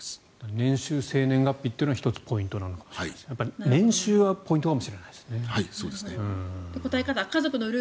年収、生年月日は１つポイントなのかもしれないとやっぱり年収はポイントかもしれないですね。